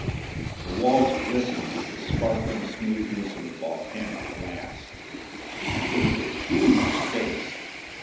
The walls glistened with the sparkling smoothness of volcanic glass. It was a huge space.